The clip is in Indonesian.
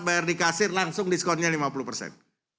bayar di kasir langsung diskonnya lima puluh persen